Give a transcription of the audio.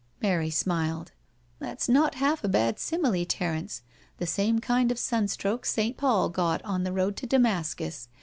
Mary smiled. " That's not half a bad simile, Terence — the same kind of sunstroke St. Paul got on the road to Damascus.